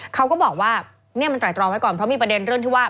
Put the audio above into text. เขาก็บอกว่าเนี่ยมันไตรตรองไว้ก่อนเพราะมีประเด็นเรื่องที่ว่า